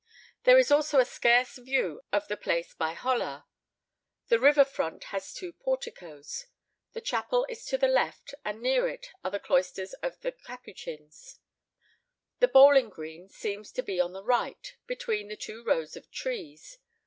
There is also a scarce view of the place by Hollar. The river front has two porticos. The chapel is to the left, and near it are the cloisters of the Capuchins. The bowling green seems to be to the right, between the two rows of trees.